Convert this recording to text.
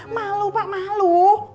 malu pak malu